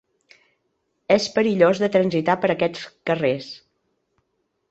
És perillós de transitar per aquests carrers.